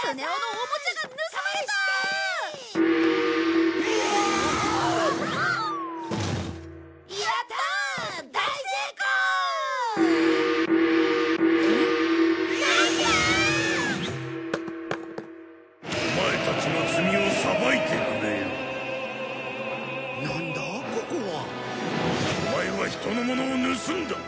オマエは人のものを盗んだ。